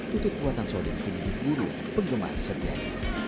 tutup buatan soding ini dikulur penggemar serjain